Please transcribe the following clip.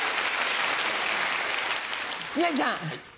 宮治さん。